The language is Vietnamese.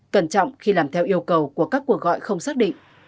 cẩn trọng khi làm theo yêu cầu của các cuộc gọi không xác định